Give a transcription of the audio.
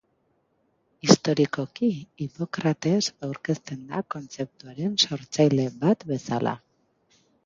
Historikoki Hipokrates aurkezten da kontzeptuaren sortzaile bat bezala.